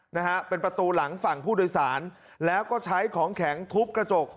นะฮะเป็นประตูหลังฝั่งผู้โดยสารแล้วก็ใช้ของแข็งทุบกระจก